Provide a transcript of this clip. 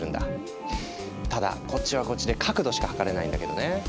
ただこっちはこっちで角度しか測れないんだけどね。